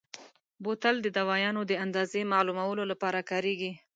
بوتل د دوایانو د اندازې معلومولو لپاره کارېږي.